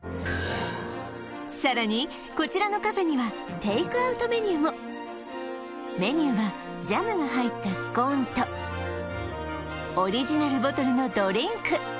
さらにこちらのカフェにはメニューはジャムが入ったスコーンとオリジナルボトルのドリンク